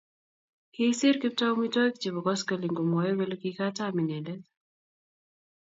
kiisiir Kiptoo omitwogik chebo koskoleny komwoei kole kikatam inendet